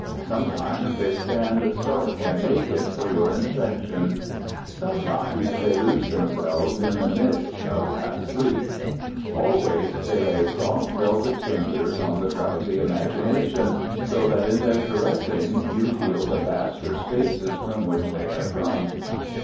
Sometimes they stand stark and naked for your inspection; sometimes they lose themselves in the mist of half sleep. Always they lay soft velvet fingers on the drowsy imagination, so that in their caressing you feel the vaster spaces from which they have come.